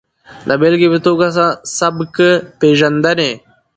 د بېلګې په ټوګه سبک پېژندنې